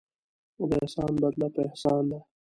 د احسان بدله په احسان ده.